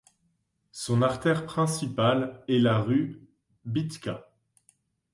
Son artère principale est la rue Bytkha.